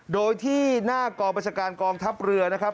โดยที่หน้ากองประชาการกองทัพเรือนะครับ